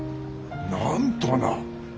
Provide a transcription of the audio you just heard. なんとな。